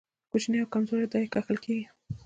کوچني او کمزوري دا يې کښل کېږي.